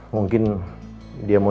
mungkin dia mau